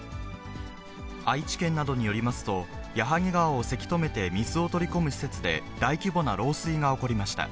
愛知県などによりますと、矢作川をせき止めて水を取り込む施設で、大規模な漏水が起こりました。